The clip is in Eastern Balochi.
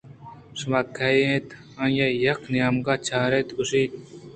شما کئے اِت؟ آئیءَ یک نیمگے ءَ چاراِت ءُگوٛشت